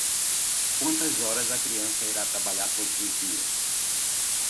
Quantas horas a criança irá trabalhar todos os dias?